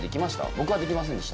僕はできませんでした。